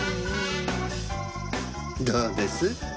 どうです？